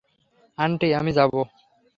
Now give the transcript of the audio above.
Aunty, আমি যাবো।